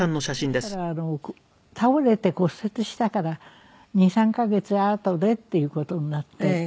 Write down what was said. そしたら倒れて骨折したから２３カ月あとでっていう事になって。